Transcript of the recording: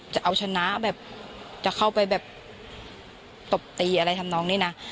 จะเอาชนะแบบจะเข้าไปแบบตบตีอะไรทำน้องนี่นะ